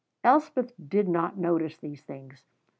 Elspeth did not notice these things.